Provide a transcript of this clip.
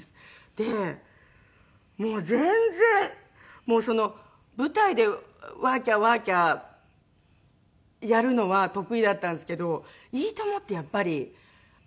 でもう全然もう舞台でワーキャーワーキャーやるのは得意だったんですけど『いいとも！』ってやっぱりなんていったら。